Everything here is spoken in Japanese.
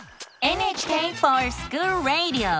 「ＮＨＫｆｏｒＳｃｈｏｏｌＲａｄｉｏ」！